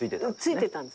ついてたんです。